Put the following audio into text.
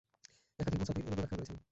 একাধিক মুফাসির এরূপও ব্যাখ্যা করেছেন।